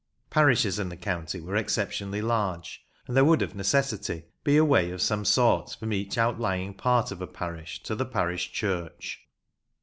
Parishes in the county were exceptionally large, and there would of necessity be a way of some sort from each outlying part of a parish to the parish church.